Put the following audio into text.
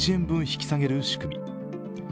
分引き下げる仕組み。